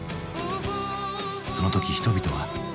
その時人々は？